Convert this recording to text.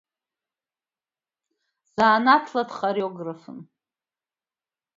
Занааҭла дхореографын.